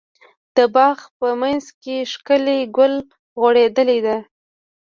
د باغ په منځ کې ښکلی ګل غوړيدلی ده.